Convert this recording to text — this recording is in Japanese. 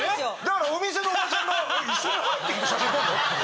お店のおばちゃんが一緒に入ってきて写真撮るの？っていう。